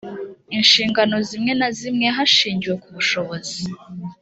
inshingano zimwe na zimwe hashingiwe ku bushobozi